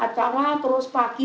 acara terus pagi